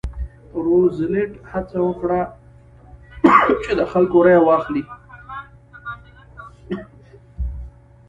روزولټ هڅه وکړه چې د خلکو رایه واخلي.